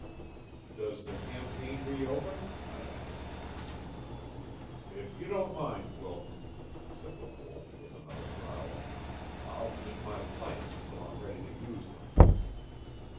"Does the campaign reopen?" I asked. "If you don't mind, Wilton," said the Wolf with another growl, "I'll keep my plans till I'm ready to use them."